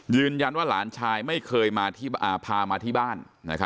ยืนยันว่าหลานชายไม่เคยพามาที่บ้าน